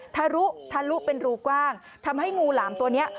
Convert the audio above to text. ทะลุทะลุเป็นรูกว้างทำให้งูหลามตัวนี้